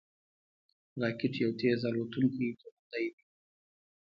راکټ یو تېز الوتونکی توغندی دی